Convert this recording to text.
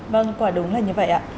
vâng quả đúng là như vậy ạ